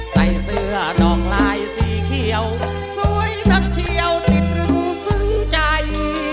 ใส่เสื้อดองลายสีเขียวสวยน้ำเขียวติดลึงถึงใจ